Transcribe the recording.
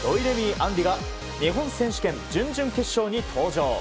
杏利が日本選手権準々決勝に登場。